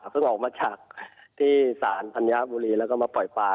ออกมาจากที่ศาลธัญบุรีแล้วก็มาปล่อยปลา